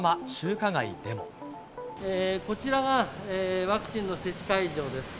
こちらがワクチンの接種会場です。